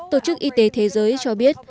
tổ chức y tế thế giới cho biết